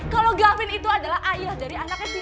kalau gavin itu adalah ayah dari anaknya cynthia